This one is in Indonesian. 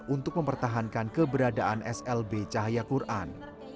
untuk mempertahankan keberadaan slb cahaya quran